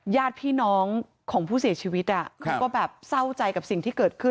ญาติพี่น้องของผู้เสียชีวิตเขาก็แบบเศร้าใจกับสิ่งที่เกิดขึ้น